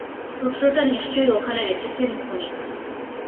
সূত্রটা নিশ্চয়ই ওখানে রেখেছেন উনি।